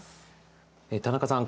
田中さん